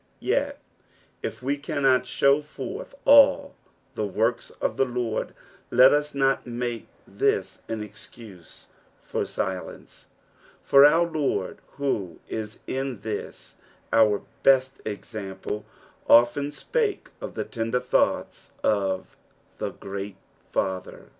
Yet, if we cannot show forth all the works of the Ijord, let us not make this an eicuse for silence ; for our Lord, who in in iJiia onr best example, often spalce of the tender thoughts of the gteai Father.